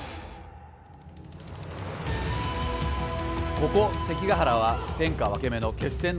ここ関ケ原は天下分け目の決戦の地。